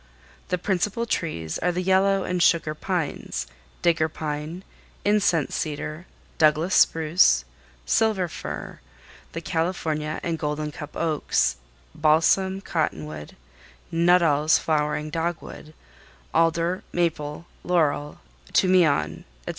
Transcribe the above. The principal trees are the yellow and sugar pines, digger pine, incense cedar, Douglas spruce, silver fir, the California and golden cup oaks, balsam cottonwood, Nuttall's flowering dogwood, alder, maple, laurel, tumion, etc.